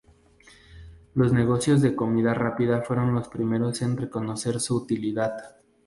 Los negocios de comida rápida fueron los primeros en reconocer su utilidad.